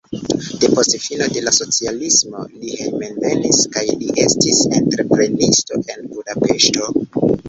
Depost fino de la socialismo li hejmenvenis kaj li estis entreprenisto en Budapeŝto.